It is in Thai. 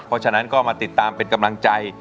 เพราะฉะนั้นก็มาติดตามเป็นกำลังใจ